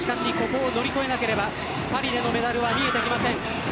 しかしここを乗り越えなければパリへのメダルは見えてきません。